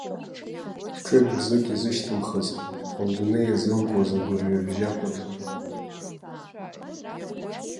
Ҿык-бзык иазышьҭымхыз, лдунеи иазымкуаз агәырҩа абжьы акәын уи.